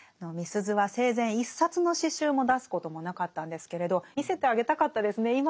みすゞは生前一冊の詩集も出すこともなかったんですけれど見せてあげたかったですね。